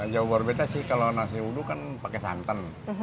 jauh berbeda sih kalau nasi uduk kan pakai santan